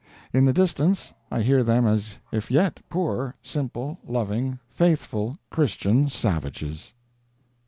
In the distance I hear them at if yet, poor, simple, loving, faithful, Christian savages.